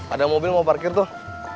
ada mobil mau parkir tuh